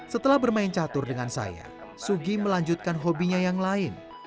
setelah bermain catur dengan saya sugi melanjutkan hobinya yang lain